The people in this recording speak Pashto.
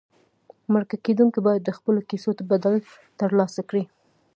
مرکه کېدونکي باید د خپلو کیسو بدل ترلاسه کړي.